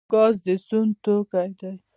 ګاز د سون توکی دی